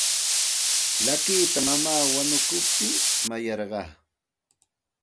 Llakita mamaa wanukuptin mayarqaa.